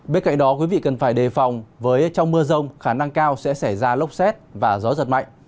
bên cạnh đó quý vị cần phải đề phòng với trong mưa rông khả năng cao sẽ xảy ra lốc xét và gió giật mạnh